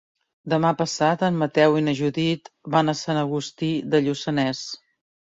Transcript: Demà passat en Mateu i na Judit van a Sant Agustí de Lluçanès.